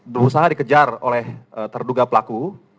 berusaha dikejar oleh terduga pelaku